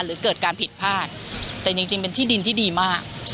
หรือเกิดการผิดพลาดแต่จริงเป็นที่ดินที่ดีมาก